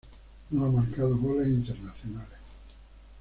No ha marcado goles internacionales.